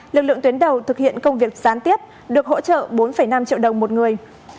lực lượng tuyến đầu thực hiện công việc gián tiếp được hỗ trợ bốn năm triệu đồng một người